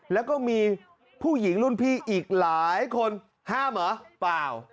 แล้วก็มีผู้หญิงรุ่นพี่อีกหลายคนห้ามเหรอเปล่า